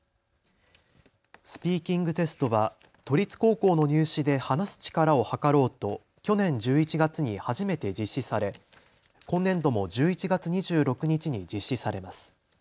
スピーキングテストは都立高校の入試で話す力をはかろうと去年１１月に初めて実施され今年度も１１月２６日に実施されます。